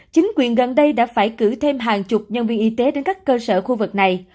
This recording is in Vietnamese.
chính quyền gần đây đã phải cử thêm hàng chục nhân viên y tế đến các cơ sở khu vực này